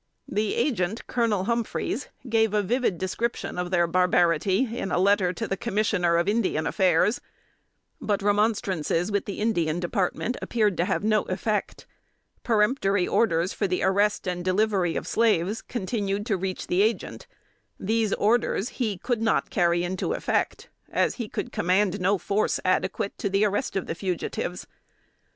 The Agent, Colonel Humphreys, gave a vivid description of their barbarity, in a letter to the Commissioner of Indian Affairs. But remonstrances with the Indian Department appeared to have no effect. Peremptory orders for the arrest and delivery of slaves continued to reach the Agent. These orders he could not carry into effect, as he could command no force adequate to the arrest of the fugitives.